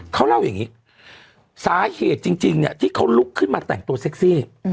เขาเล่าอย่างนี้สาเหตุจริงเนี่ยที่เขาลุกขึ้นมาแต่งตัวเซ็กซี่